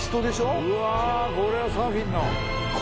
うわこれはサーフィンの？